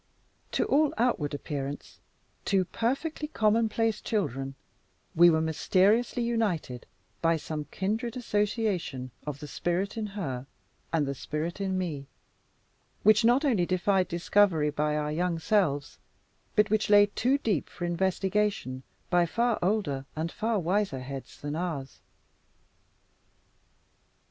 To all outward appearance two perfectly commonplace children, we were mysteriously united by some kindred association of the spirit in her and the spirit in me, which not only defied discovery by our young selves, but which lay too deep for investigation by far older and far wiser heads than ours.